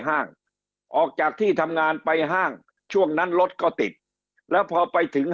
ห้างออกจากที่ทำงานไปห้างช่วงนั้นรถก็ติดแล้วพอไปถึง